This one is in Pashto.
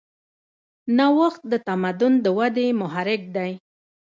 نوښت د تمدن د ودې محرک دی.